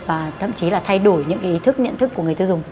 và thậm chí là thay đổi những ý thức nhận thức của người tiêu dùng